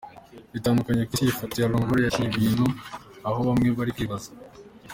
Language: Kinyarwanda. bitandukanye ku isi, iyi foto ya Longoria yaciye ibintu, aho bamwe bari kwibaza.